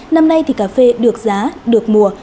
năm nay thì cà phê được giá được mùa